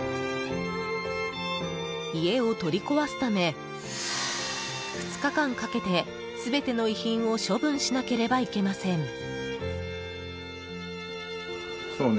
家を取り壊すため２日間かけて全ての遺品を処分しなければいけません。